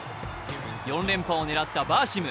４連覇を狙ったバーシム。